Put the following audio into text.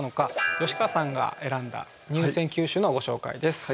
吉川さんが選んだ入選九首のご紹介です。